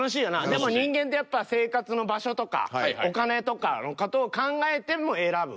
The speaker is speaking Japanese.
でも人間ってやっぱ生活の場所とかお金とかの事を考えても選ぶ。